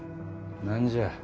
何じゃ。